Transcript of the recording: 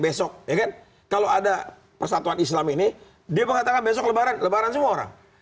besok ya kan kalau ada persatuan islam ini dia mengatakan besok lebaran lebaran semua orang